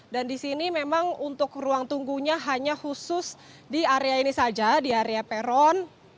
dan di sini memang untuk ruang tunggunya hanya khusus di area ini saja di area peron